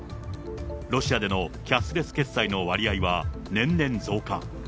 ロシアでのキャッシュレス決済の割合は年々増加。